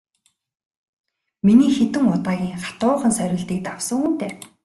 Миний хэдэн удаагийн хатуухан сорилтыг давсан хүн дээ.